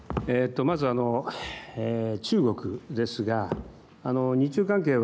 まず中国ですが日中関係は